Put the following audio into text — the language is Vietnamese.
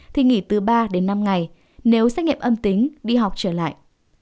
thì nghỉ từ ba đến năm ngày nếu xét nghiệm âm tính đi học trở lại